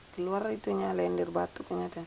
keluar itu lendir batu